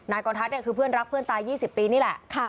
กรทัศน์คือเพื่อนรักเพื่อนตาย๒๐ปีนี่แหละ